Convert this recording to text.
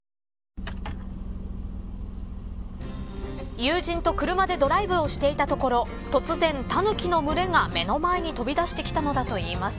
友人と車でドライブをしていたところ突然タヌキの群れが目の前に飛び出してきたのだといいます。